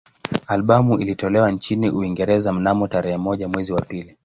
Albamu ilitolewa nchini Uingereza mnamo tarehe moja mwezi wa pili